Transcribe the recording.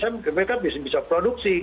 mereka bisa produksi